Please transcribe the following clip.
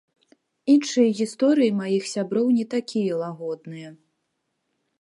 Іншыя гісторыі маіх сяброў не такія лагодныя.